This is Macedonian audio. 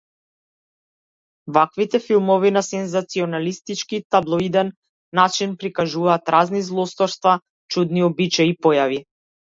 Ваквите филмови на сензационалистички и таблоиден начин прикажуваат разни злосторства, чудни обичаи и појави.